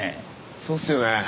そうっすよね。